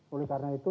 oleh karena itu